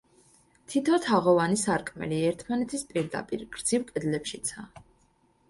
თითო თაღოვანი სარკმელი, ერთმანეთის პირდაპირ, გრძივ კედლებშიცაა.